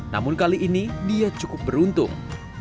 namun kali ini dia cukup beruntung